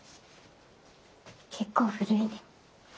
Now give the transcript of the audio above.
結構古いね。